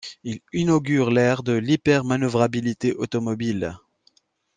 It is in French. Il inaugure l'ère de l'hyper manœuvrabilité automobile.